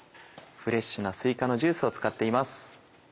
フレッシュなすいかのジュースを使っています。